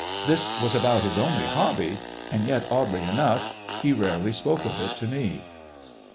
This was about his only hobby—and yet, oddly enough, he rarely spoke of it to me."